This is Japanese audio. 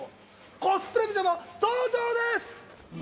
コスプレ美女の登場です！